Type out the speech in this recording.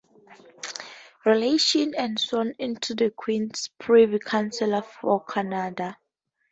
Relations and sworn into the Queen's Privy Council for Canada.